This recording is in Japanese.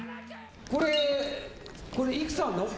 これ、これいくつあんの？